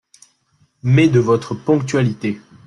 Mais de votre ponctualité…